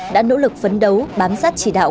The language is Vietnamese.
đã nỗ lực phấn đấu bám sát chỉ đạo